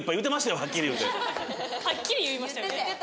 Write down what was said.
はっきり言いましたよね。